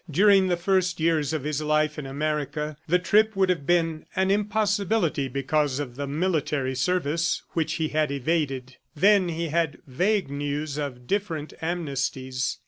During the first years of his life in America, the trip would have been an impossibility because of the military service which he had evaded. Then he had vague news of different amnesties.